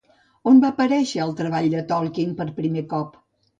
On va aparèixer el treball de Tolkien per primer cop?